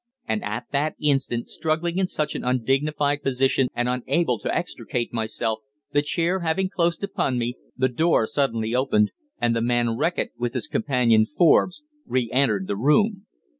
And at that instant, struggling in such an undignified position and unable to extricate myself, the chair having closed upon me, the door suddenly opened, and the man Reckitt, with his companion Forbes, re entered the room.